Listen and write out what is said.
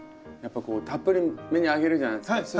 やっぱこうたっぷりめにあげるじゃないですか。